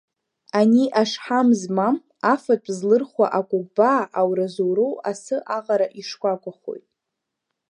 Ани ашҳам змам, афатә злырхуа акәыкәбаа, аура-зоуроу асы аҟара ишкәакәахоит.